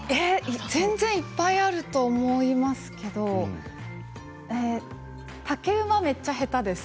全然いっぱいあると思いますけど竹馬めっちゃ下手です。